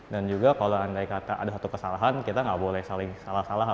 dan juga kalau andai kata ada satu kesalahan kita enggak boleh saling salah salah